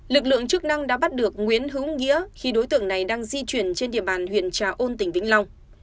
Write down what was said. lực lượng chức năng đã bắt được nguyễn hữu nghĩa khi đối tượng này đang di chuyển trên địa bàn huyện trà ôn tỉnh vĩnh long